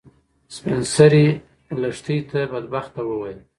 سپین سرې لښتې ته بدبخته وویل.